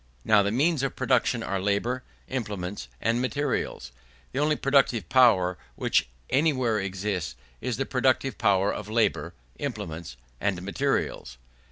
Now the means of production are labour, implements, and materials. The only productive power which anywhere exists, is the productive power of labour, implements, and materials.